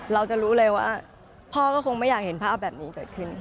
เราจะรู้เลยว่าพ่อก็คงไม่อยากเห็นภาพแบบนี้เกิดขึ้น